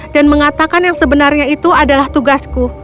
dan mengatakan yang sebenarnya itu adalah tugasku